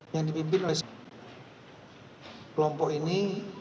yang dipimpin oleh kelompok ini